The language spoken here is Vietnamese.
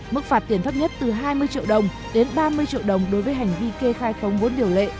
mức phạt tiền thấp nhất từ hai mươi triệu đồng đến ba mươi triệu đồng đối với hành vi kê khai không vốn điều lệ